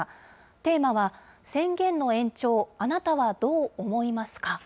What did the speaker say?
テーマは、宣言の延長、あなたはどう思いますか？